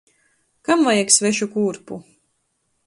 Kam vajag svešu kūrpu.